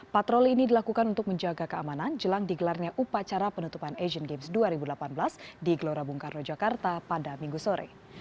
patroli ini dilakukan untuk menjaga keamanan jelang digelarnya upacara penutupan asian games dua ribu delapan belas di gelora bung karno jakarta pada minggu sore